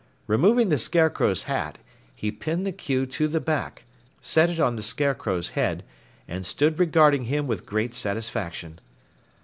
Removing the Scarecrow's hat, he pinned the queue to the back, set it on the Scarecrow's head, and stood regarding him with great satisfaction.